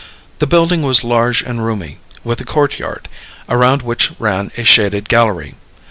The building was large and roomy, with a court yard, around which ran a shaded gallery.